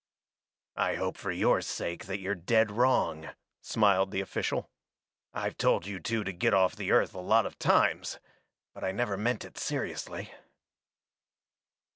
"I hope for your sake that you're dead wrong," smiled the official. "I've told you two to get off the Earth a lot of times, but I never meant it seriously."